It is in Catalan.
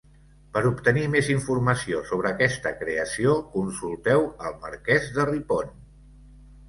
Per obtenir més informació sobre aquesta creació, consulteu el marquès de Ripon.